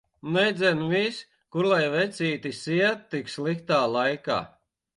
Nedzen vis! Kur lai vecītis iet tik sliktā laika.